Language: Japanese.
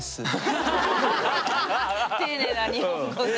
丁寧な日本語で。